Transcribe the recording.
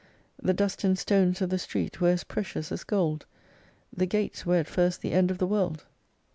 The dust and stones of the street were as precious as gold : the gates were at first the end of the world.